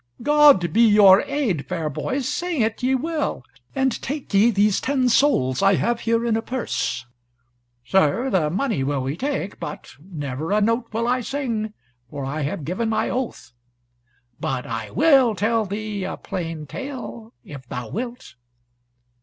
"God be your aid, fair boys, sing it ye will, and take ye these ten sols I have here in a purse." "Sir, the money will we take, but never a note will I sing, for I have given my oath, but I will tell thee a plain tale, if thou wilt."